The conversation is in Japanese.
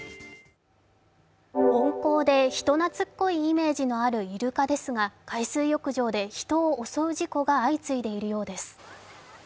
温厚で人なつっこいイメージのあるイルカですが、海水浴場で人を襲う事故が相次いでいるようです。